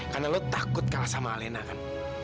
karena lo takut kalah sama alena kan